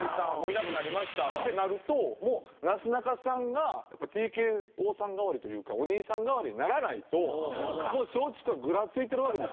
いなくなりましたってなるともうなすなかさんがＴＫＯさん代わりというかお兄さん代わりにならないともう松竹はぐらついてるわけです。